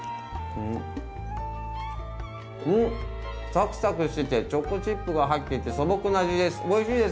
サクサクしててチョコチップが入っていて素朴な味です。